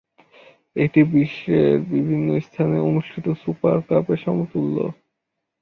এটি বিশ্বের বিভিন্ন স্থানে অনুষ্ঠিত সুপার কাপ এর সমতুল্য।